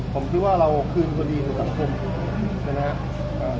ผมคิดว่าเราคืนพอดีสู่สังคมนะครับ